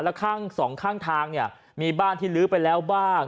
แล้วสองข้างทางมีบ้านที่ลื้อไปแล้วบ้าง